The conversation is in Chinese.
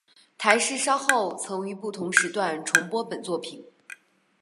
台视稍后曾于不同时段重播本作品。